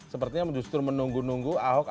sepertinya justru menunggu nunggu ahok